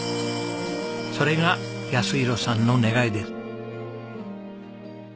それが泰弘さんの願いです。